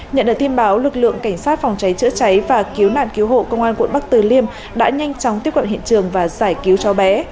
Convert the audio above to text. nhận được tin báo lực lượng cảnh sát phòng cháy chữa cháy và cứu nạn cứu hộ công an quận bắc từ liêm đã nhanh chóng tiếp cận hiện trường và giải cứu cháu bé